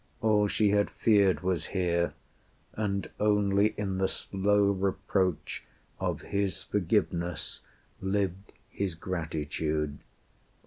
All she had feared Was here; and only in the slow reproach Of his forgiveness lived his gratitude.